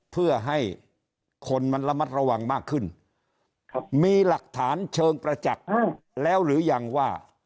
เพื่อให้คนมันระมัดระวังมากขึ้นมีหลักฐานเชิงประจักษ์แล้วหรือยังว่า